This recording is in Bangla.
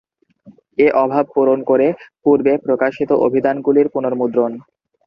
এ অভাব পূরণ করে পূর্বে প্রকাশিত অভিধানগুলির পুনর্মুদ্রণ।